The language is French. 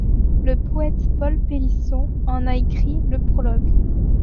Le poète Paul Pellisson en a écrit le prologue.